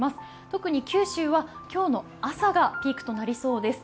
特に九州は今日の朝がピークとなりそうです。